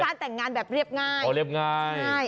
เพราะเป็นการแต่งงานแบบเรียบง่าย